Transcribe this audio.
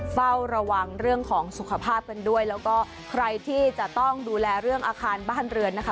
เฝ้าระวังเรื่องของสุขภาพกันด้วยแล้วก็ใครที่จะต้องดูแลเรื่องอาคารบ้านเรือนนะคะ